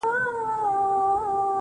ټول عمر تكه توره شپه وي رڼا كډه كړې_